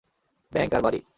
Bank আর বাড়ি।